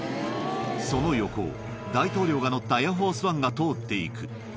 その横を大統領が乗ったエアフォースワンが通っていく。